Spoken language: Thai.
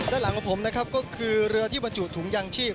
ด้านหลังของผมนะครับก็คือเรือที่บรรจุถุงยางชีพ